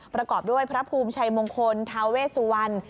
ประกอบด้วยพระภูมิชัยมงคลทาเวสุวรรณ